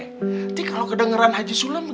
nanti kalo kedengeran haji sulem gimana